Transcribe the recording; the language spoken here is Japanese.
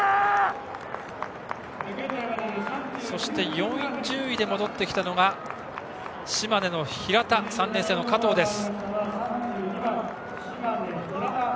４０位で戻ってきたのが島根の平田、３年生の加藤です。